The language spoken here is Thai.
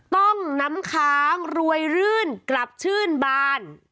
น้ำค้างรวยรื่นกลับชื่นบาน